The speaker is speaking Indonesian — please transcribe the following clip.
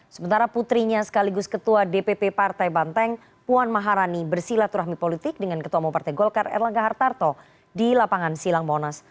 sementara putrinya sekaligus ketua dpp partai banteng puan maharani bersilaturahmi politik dengan ketua umum partai golkar erlangga hartarto di lapangan silang monas